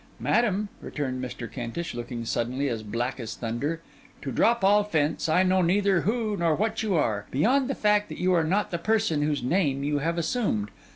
'Madam,' returned Mr. Kentish, looking suddenly as black as thunder, 'to drop all fence, I know neither who nor what you are; beyond the fact that you are not the person whose name you have assumed.